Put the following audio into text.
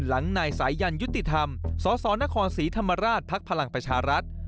หลังนายสายันยุติธรรมสนครศรีธรรมราชพลังประชารัฐ